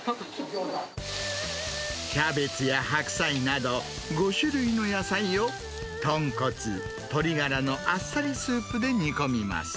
キャベツや白菜など、５種類の野菜を、豚骨、鶏がらのあっさりスープで煮込みます。